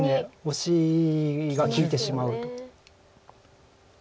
オシが利いてしまうと。